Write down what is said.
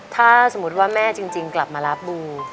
ถ้าสมมุติว่าแม่จริงกลับมารับบู